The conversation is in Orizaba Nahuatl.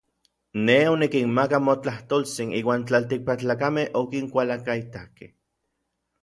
Nej onikinmakak motlajtoltsin, iuan tlaltikpaktlakamej okinkualankaitakej.